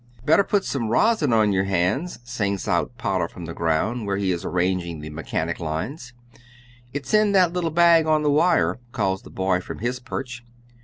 "Better put some rosin on your hands," sings out Potter from the ground, where he is arranging the "mechanic" lines. "It's in that little bag on the wire," calls the boy from his perch.